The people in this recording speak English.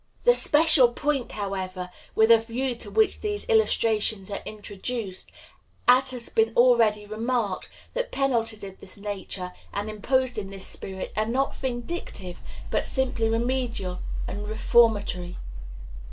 The special point, however, with a view to which these illustrations are introduced, is, as has been already remarked, that penalties of this nature, and imposed in this spirit, are not vindictive, but simply remedial and reformatory.